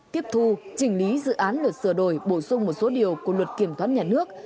tiếp thu chỉnh lý dự án luật sửa đổi bổ sung một số điều của luật kiểm toán nhà nước